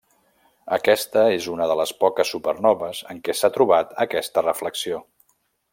Aquesta és una de les poques supernoves en què s'ha trobat aquesta reflexió.